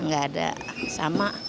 gak ada sama